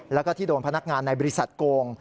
แล้วก็ที่โดนพนักงานในบริษัทโกง